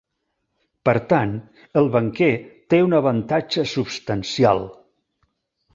Per tant, el banquer té un avantatge substancial.